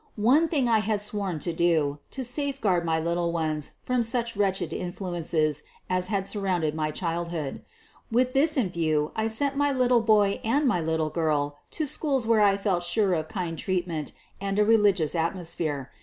One thing I had sworn to QUEEN OF THE BURGLAES 19 do — to safeguard my little ones from such wretched influences as had surrounded my childhood. With this in view I sent my little boy and my little girl to schools where I felt sure of kind treatment and a religious atmosphere.